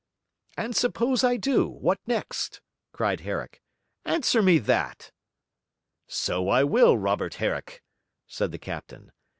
'And suppose I do, what next?' cried Herrick. 'Answer me that!' 'So I will, Robert Herrick,' said the captain.